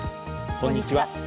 こんにちは。